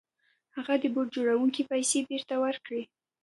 هغه د بوټ جوړوونکي پيسې بېرته ورکړې.